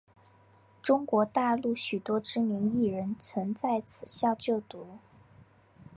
中国大陆许多知名艺人曾在此校就读。